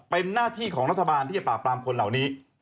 เป็นหน้าที่ของรัฐบาลที่จะปราบปรามคนเหล่านี้